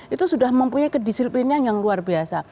itu sudah mempunyai kedisiplinan yang luar biasa